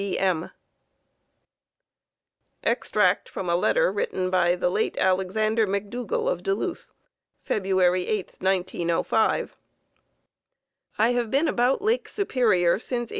W. B. M. Extract from a letter written by the late Alexander McDougall of Duluth, February 8, 1905: I have been about Lake Superior since 1863.